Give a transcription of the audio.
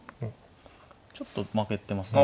ちょっと負けてますね。